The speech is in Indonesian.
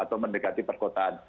atau mendekati perkotaan